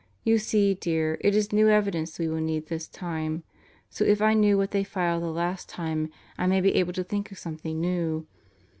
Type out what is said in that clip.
You see, dear, it is new evidence we will need this time; so if I knew what they filed the last time I may be able to think of something new.